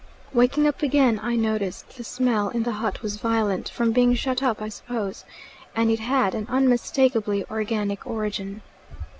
Waking up again I noticed the smell in the hut was violent, from being shut up I suppose, and it had an unmistakably organic origin.